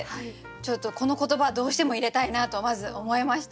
ちょっとこの言葉どうしても入れたいなとまず思いました。